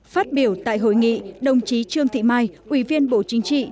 phát biểu tại hội nghị đồng chí trương thị mai ủy viên bộ chính trị